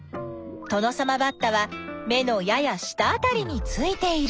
トノサマバッタは目のやや下あたりについている。